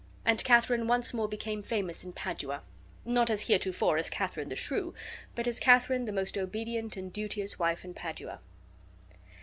And Katharine once more became famous in Padua, not as heretofore as Katharine the Shrew, but as Katharine the most obedient and duteous wife in Padua.